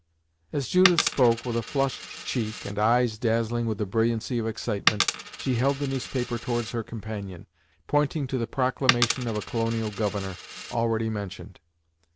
As Judith spoke, with a flushed cheek and eyes dazzling with the brilliancy of excitement, she held the newspaper towards her companion, pointing to the proclamation of a Colonial Governor, already mentioned.